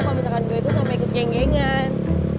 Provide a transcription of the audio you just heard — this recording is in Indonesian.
kalau misalkan gue itu sama ikut genggengan